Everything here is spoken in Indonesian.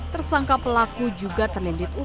tersangka pelaku juga terlilit utangnya